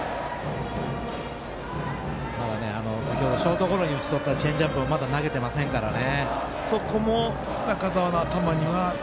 まだ、ショートゴロに打ち取ったチェンジアップをまだ投げてませんからね。